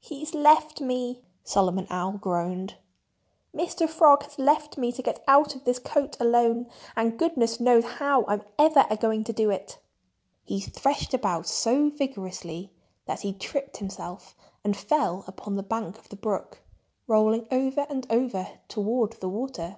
"He's left me!" Solomon Owl groaned. "Mr. Frog has left me to get out of this coat alone. And goodness knows how I'm ever a going to do it." He threshed about so vigorously that he tripped himself and fell upon the bank of the brook, rolling over and over toward the water.